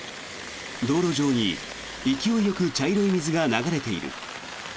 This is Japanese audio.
道路上に勢いよく茶色い水が流れている。